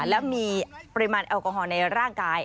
และมีปริมาณแอลกอฮอลในร่างกาย